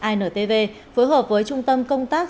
intv phối hợp với trung tâm công tác